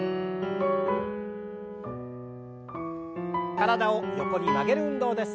体を横に曲げる運動です。